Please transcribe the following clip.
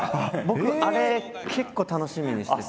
僕あれ結構楽しみにしてて。